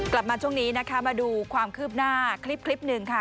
กลับมาช่วงนี้นะคะมาดูความคืบหน้าคลิปหนึ่งค่ะ